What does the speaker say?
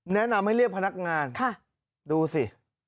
แนะนำให้เรียกพนักงานดูสิ